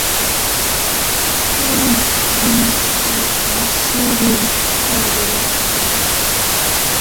춘우는 밤이 늦도록 영숙이 돌아오기를 기다리었다.